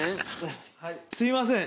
すいません。